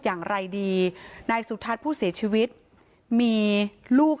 อย่างไรดีนายสุทัศน์ผู้เสียชีวิตมีลูก